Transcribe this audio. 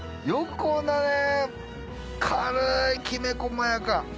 よくこんな軽いきめ細やか。